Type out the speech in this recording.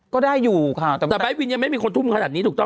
ก็ได้อยู่ค่ะแต่ไบท์วินไม่มีคนทุ่มถูกต้องภาพนี้เหรอเหรอ